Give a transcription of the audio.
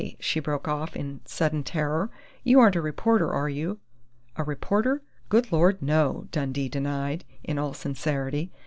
she broke off, in sudden terror. "You aren't a reporter, are you?" "A reporter? Good Lord, no!" Dundee denied, in all sincerity.